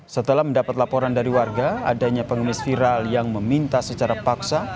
setelah mendapat laporan dari warga adanya pengemis viral yang meminta secara paksa